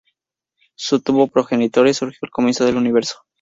No tuvo progenitores: surgió al comienzo del Universo.